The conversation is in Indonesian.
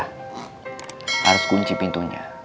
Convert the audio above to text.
harus kunci pintunya